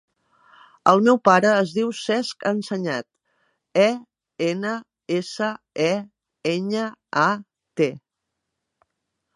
El meu pare es diu Cesc Enseñat: e, ena, essa, e, enya, a, te.